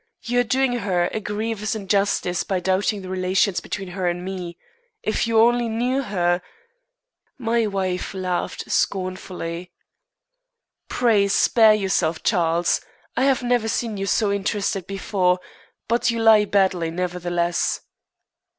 You are doing her a grievous injustice by doubting the relations between her and me. If you only knew her " My wife laughed scornfully. "Pray spare yourself, Charles. I have never seen you so interested before, but you lie badly, nevertheless."